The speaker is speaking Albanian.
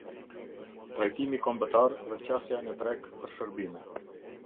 Trajtimi kombëtar dhe qasja në treg për shërbime.